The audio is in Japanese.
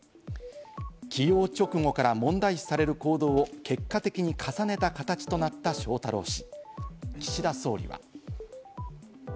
起用直後から問題視される行動を結果的に重ねた形となった翔太郎氏。